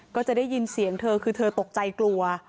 ก็จะได้ยินเสียงเธอคือเธอตกใจกลัว